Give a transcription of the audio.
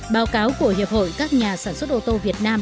báo cáo của hiệp hội các nhà sản xuất ô tô việt nam